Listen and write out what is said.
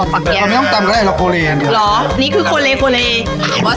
ปักแกะไม่ต้องจำก็ได้เราโคเลนเหรออันนี้คือโคเลนโคเลน